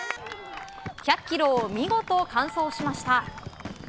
１００ｋｍを見事完走しました。